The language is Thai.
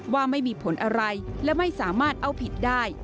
ว่าไม่มีผลอะไรและไม่สามารถเอาผิดได้